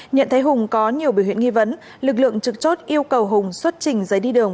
nhận thấy hùng có nhiều biểu hiện nghi vấn lực lượng trực chốt yêu cầu hùng xuất trình giấy đi đường